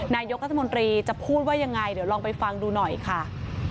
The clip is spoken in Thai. นายกรัฐมนตรีจะพูดว่ายังไงเดี๋ยวลองไปฟังดูหน่อยค่ะ